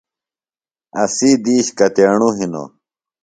اسی دِیش کتیݨوۡ ہِنوۡ؟